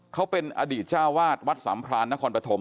เขาเป็นอดีตเจ้าวาดวัดสามพรานนครปฐม